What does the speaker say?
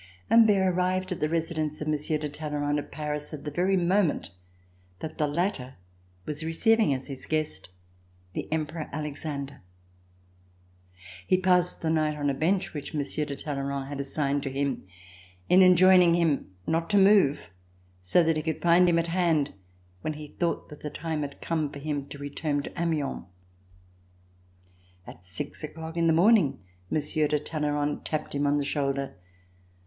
Humbert arrived at the residence of Monsieur de Talleyrand, at Paris, at the very moment that the latter was receiving as his guest the Emperor Alexander. He passed the night on a bench which Monsieur de Talleyrand had assigned to him, in en joining him not to move, so that he could find him at hand when he thought that the time had come for him to return to Amiens. At six o'clock in the morning. Monsieur de Talleyrand tapped him on the shoulder.